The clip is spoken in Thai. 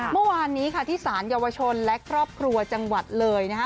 เมื่อวานนี้ค่ะที่สารเยาวชนและครอบครัวจังหวัดเลยนะฮะ